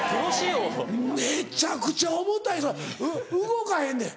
めっちゃくちゃ重たいから動かへんねん。